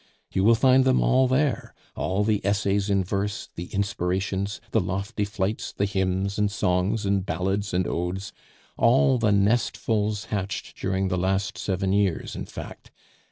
You will find them all there all the Essays in Verse, the Inspirations, the lofty flights, the hymns, and songs, and ballads, and odes; all the nestfuls hatched during the last seven years, in fact.